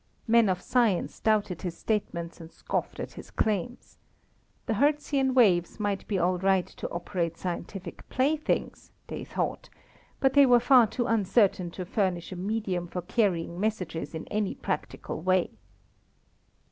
Men of science doubted his statements and scoffed at his claims. The Hertzian waves might be all right to operate scientific playthings, they thought, but they were far too uncertain to furnish a medium for carrying messages in any practical way.